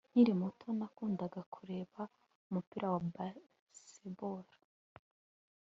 Nkiri muto nakundaga kureba umupira wa baseball